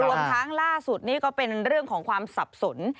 รวมทั้งล่าสุดนี่ก็เป็นเรื่องของความสับสน